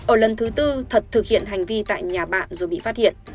ở lần thứ tư thật thực hiện hành vi tại nhà bạn rồi bị phát hiện